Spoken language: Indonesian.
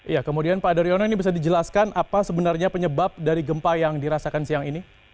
ya kemudian pak daryono ini bisa dijelaskan apa sebenarnya penyebab dari gempa yang dirasakan siang ini